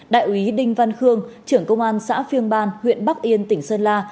đại úy đinh văn khương trưởng công an xã phiêng ban huyện bắc yên tỉnh sơn la